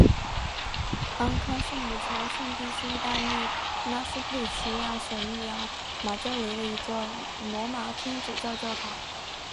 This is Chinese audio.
安康圣母朝圣地是意大利拉斯佩齐亚省里奥马焦雷的一座罗马天主教教堂。